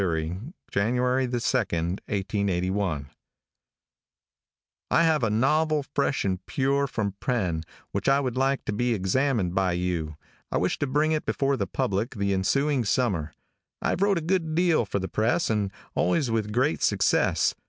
Jan. the 2, 1881. I have a novle fresh and pure from the pen, wich I would like to be examined by you. I wish to bring it before the public the ensuing summer. I have wrote a good deal for the press, and always with great success.